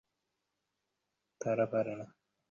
তিনি করিন্থিয়ান্সের সেরা খেলোয়াড়দের একজন ছিলেন।